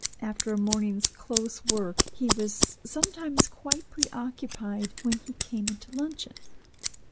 After a morning's close work he was sometimes quite pre occupied when he came into luncheon.